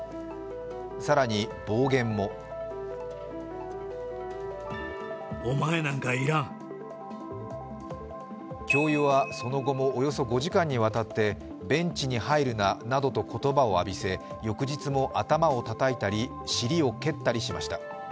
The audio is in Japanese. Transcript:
更に暴言も教諭はその後もおよそ５時間にわたってベンチに入るななどと言葉を浴びせ、翌日も頭をたたいたり、尻を蹴ったりしました。